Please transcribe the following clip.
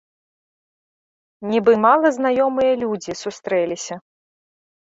Нібы малазнаёмыя людзі сустрэліся.